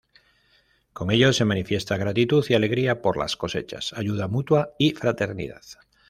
Con ello se manifiesta gratitud y alegría por las cosechas, ayuda mutua y fraternidad.